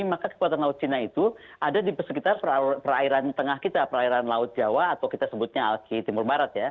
maka kekuatan laut cina itu ada di sekitar perairan tengah kita perairan laut jawa atau kita sebutnya alki timur barat ya